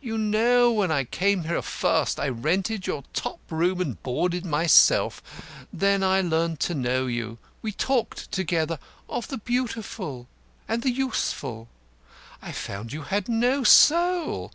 You know when I came here first I rented your top room and boarded myself. Then I learnt to know you. We talked together. Of the Beautiful. And the Useful. I found you had no soul.